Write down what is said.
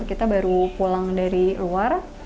kita baru pulang dari luar